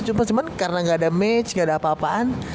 cuman karena gak ada match gak ada apa apaan